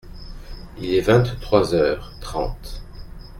Il est vingt-trois heures trente.